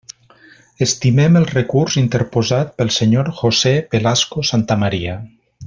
Estimem el recurs interposat pel senyor José Velasco Santamaría.